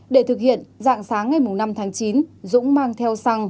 để thực hiện dạng sáng ngày năm tháng chín dũng mang theo xăng